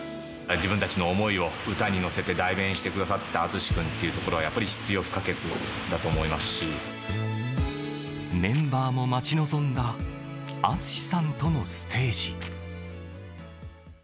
自分たちの思いを歌に乗せて代弁してくださってたＡＴＳＵＳＨＩ君というところは、やっぱりメンバーも待ち望んだＡＴＳＵＳＨＩさんとのステージ。